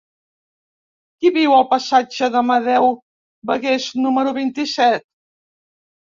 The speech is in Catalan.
Qui viu al passatge d'Amadeu Bagués número vint-i-set?